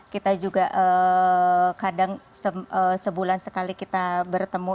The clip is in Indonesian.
kita juga kadang sebulan sekali kita bertemu